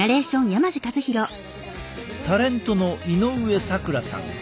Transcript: タレントの井上咲楽さん。